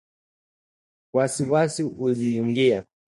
Wasiwasi uliniingia